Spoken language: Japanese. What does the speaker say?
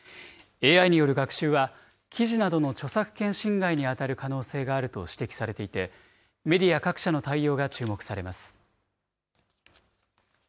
ＡＩによる学習は、記事などの著作権侵害に当たる可能性があると指摘されていて、メディア各社の対応が注目されます。